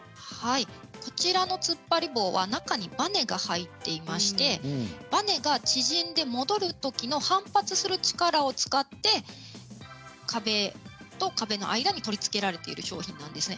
こちらのつっぱり棒は中にバネが入っていましてバネが縮んで戻るときの反発する力を使って壁と壁の間に取り付けられている商品なんですね。